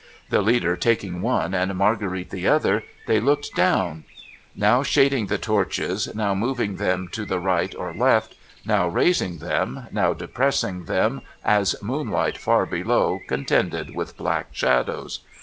The leader taking one, and Marguerite the other, they looked dow n ; now shading the torches, now moving them to the right or left, now raising them, now depressing them, as moon light far below contended with black shadows.